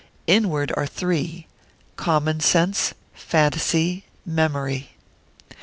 Inward are three—common sense, phantasy, memory.